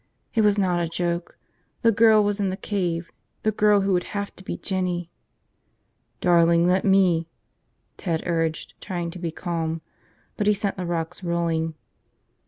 It was not a joke. The girl was in the cave, the girl who would have to be Jinny. ... "Darling, let me," Ted urged, trying to be calm; but he sent the rocks rolling.